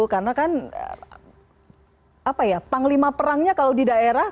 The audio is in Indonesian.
karena kan panglima perangnya kalau di daerah